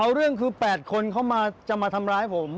เอาเรื่องคือ๘คนเขาจะมาทำร้ายผม